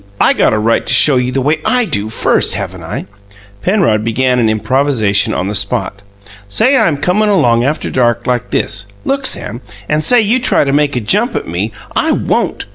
I got a right to show you the way I DO, first, haven't I?" Penrod began an improvisation on the spot. "Say I'm comin' along after dark like this look, Sam! And say you try to make a jump at me " "I won't!"